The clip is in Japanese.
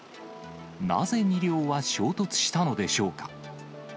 なぜ２両は衝突したのでしょうか。